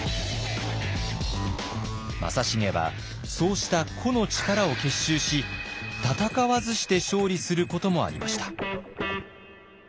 正成はそうした個の力を結集し戦わずして勝利することもありました。